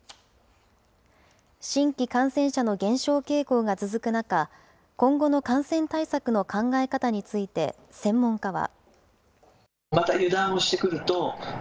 新規感染者の減少傾向が続く中、今後の感染対策の考え方について専門家は。